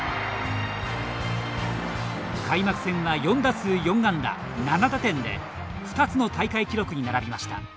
開幕戦は４打数４安打７打点で２つの大会記録に並びました。